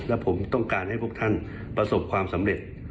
และผมต้องการให้พวกท่านประสบความสำเร็จ